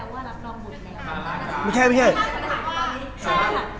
ยังยังยังคือมีชื่อในใบศึกษิบัตรไม่ได้แค่ว่ารับรองบุญ